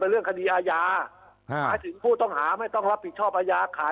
เรื่องคดีอาญาหมายถึงผู้ต้องหาไม่ต้องรับผิดชอบอาญาขาย